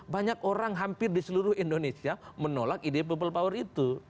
banyak orang hampir di seluruh indonesia menolak ide people power itu